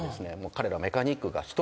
彼ら。